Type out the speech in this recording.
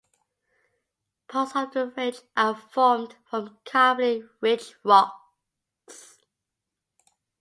Parts of the range are formed from carbonate rich rocks.